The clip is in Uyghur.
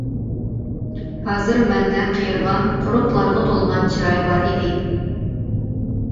ھازىر مەندە قېرىغان، قورۇقلارغا تولغان چىراي بار ئىدى.